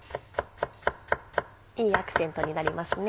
いいアクセントになりますね。